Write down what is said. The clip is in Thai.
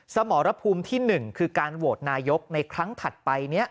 สมรภูมิที่๑คือการโหวตนายกในครั้งถัดไป